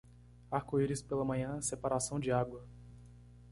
Arco-íris pela manhã, separação de água.